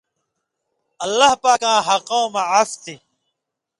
اللہ پاکاں حقؤں مہ عَف تھی